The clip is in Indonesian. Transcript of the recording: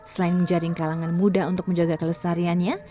selain menjaring kalangan muda untuk menjaga kelestariannya